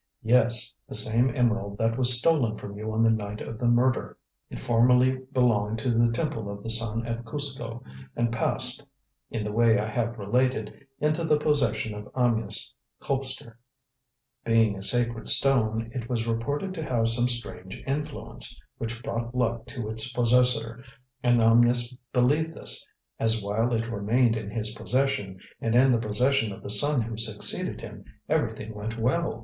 "Yes, the same emerald that was stolen from you on the night of the murder. It formerly belonged to the Temple of the Sun at Cuzco, and passed, in the way I have related, into the possession of Amyas Colpster. Being a sacred stone, it was reported to have some strange influence, which brought luck to its possessor, and Amyas believed this, as while it remained in his possession and in the possession of the son who succeeded him, everything went well.